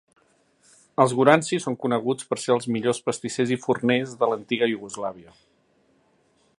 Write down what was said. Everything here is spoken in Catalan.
Els Goranci són coneguts per ser "els millors pastissers i forners" de l'antiga Iugoslàvia.